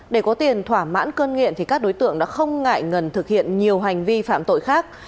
để có tiền thỏa mãn cơn nghiện thì các đối tượng đã không ngại ngần thực hiện nhiều hành vi phạm tội khác